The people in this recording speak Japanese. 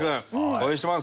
応援してます！